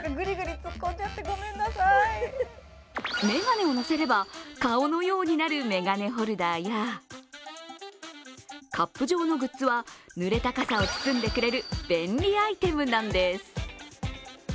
めがねを乗せれば顔のようになるめがねホルダーやカップ状のグッズは、濡れた傘を包んでくれる便利アイテムなんです。